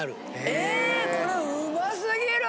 えこれうますぎる！